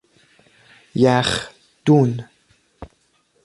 یخ دون